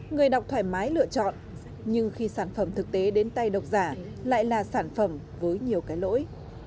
người đọc thoải mái lựa chọn nhưng khi sản phẩm thực tế đến tay đọc giả lại là sản phẩm với nhiều cái lỗi